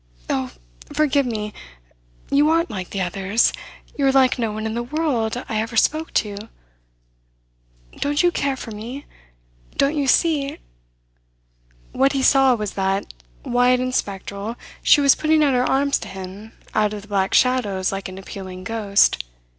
Oh, forgive me! You aren't like the others; you are like no one in the world I ever spoke to. Don't you care for me? Don't you see ?" What he saw was that, white and spectral, she was putting out her arms to him out of the black shadows like an appealing ghost.